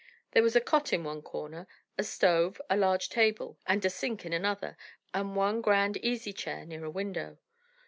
There was a cot in one corner, a stove, a large table, and sink in another, and one grand easy chair near a window.